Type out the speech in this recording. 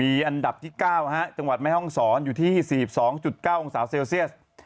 มีอันดับที่๙จังหวัดแม่ห้องศรอยู่ที่๔๒๙องศาเซลเซียส